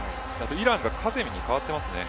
イランがカゼミに代わっていますね。